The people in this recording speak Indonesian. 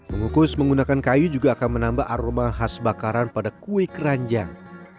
mengukus menggunakan kayu juga akan menambah aroma khas bakaran pada kue keranjang